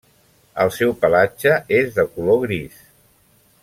El seu pelatge és de color gris.